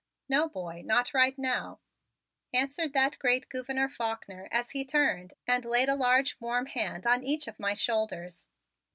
"No, boy, not right now," answered that great Gouverneur Faulkner as he turned and laid a large warm hand on each of my shoulders.